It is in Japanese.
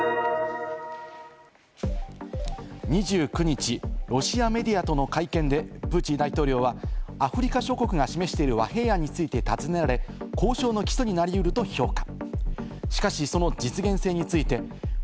２９日、ロシアメディアとの会見でプーチン大統領はアフリカ諸国が示している和平案について尋ねられ、交渉の基礎になりうると評価。